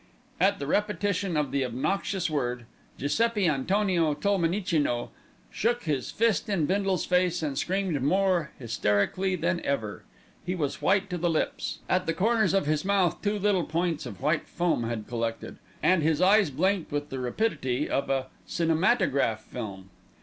At the repetition of the obnoxious word, Giuseppi Antonio Tolmenicino shook his fist in Bindle's face, and screamed more hysterically than ever. He was white to the lips, at the corners of his mouth two little points of white foam had collected, and his eyes blinked with the rapidity of a cinematograph film.